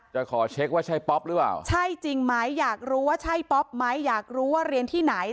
จะขอเช็คว่าใช่ป๊อปหรือเปล่าใช่จริงไหมอยากรู้ว่าใช่ป๊อปไหมอยากรู้ว่าเรียนที่ไหน